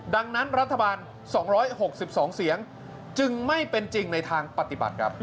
ดังนั้นรัฐบาล๒๖๒เสียงจึงไม่เป็นจริงในทางปฏิบัติครับ